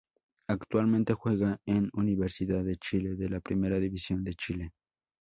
Actualmente juega en Universidad de Chile de la Primera División de Chile.